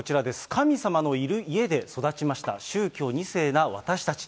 神様のいる家で育ちました、宗教２世な私たち。